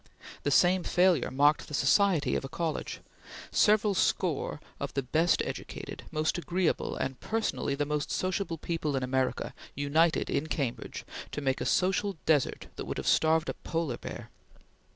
The same failure marked the society of a college. Several score of the best educated, most agreeable, and personally the most sociable people in America united in Cambridge to make a social desert that would have starved a polar bear.